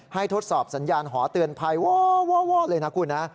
ทดสอบสัญญาณหอเตือนภัยวอเลยนะคุณนะ